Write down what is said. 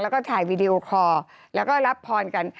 แล้วก็ถ่ายวีดีโอคอร์แล้วก็รับพรกัน